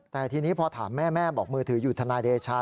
แต่ทีนี้พอถามแม่แม่บอกมือถืออยู่ทนายเดชา